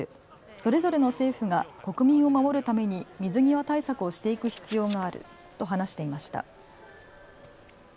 それぞれの政府が国民を守るために水際対策をしていく必要があると話していました。